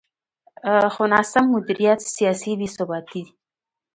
خو ناسم مدیریت، سیاسي بې ثباتي.